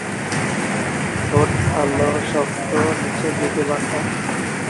ঠোঁট কালো, শক্ত, নিচের দিকে বাঁকা।